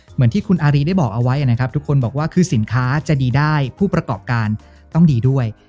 เหมือนที่คุณอารีได้บอกเอาไว้นะครับทุกคนบอกว่าคือสินค้าจะดีได้ผู้ประกอบการต้องดีด้วย